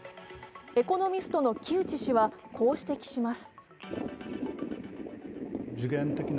エコノミストの木内氏は、こう指摘します。